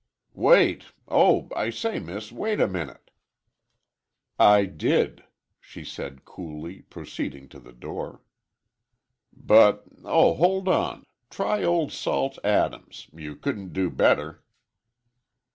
"Wait,—oh, I say, miss, wait a minute." "I did," she said coolly, proceeding to the door. "But,—oh, hold on,—try Old Salt Adams,—you couldn't do better."